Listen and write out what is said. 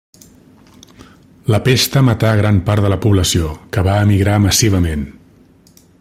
La pesta matà gran part de la població, que va emigrar massivament.